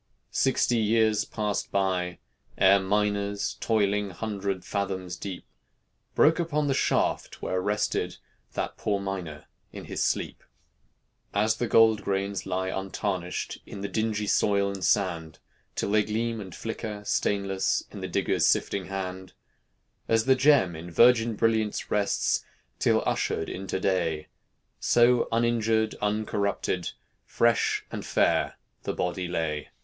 Sixty years passed by, ere miners Toiling, hundred fathoms deep, Broke upon the shaft where rested That poor miner in his sleep. As the gold grains lie untarnished In the dingy soil and sand, Till they gleam and flicker, stainless, In the digger's sifting hand; As the gem in virgin brilliance Rests, till ushered into day; So uninjured, uncorrupted, Fresh and fair the body lay.